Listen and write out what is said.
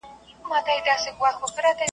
د ویالو په څېر یې ولیدل سیندونه .